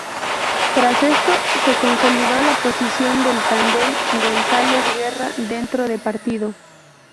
Tras esto, se consolidó la posición del tándem González-Guerra dentro partido.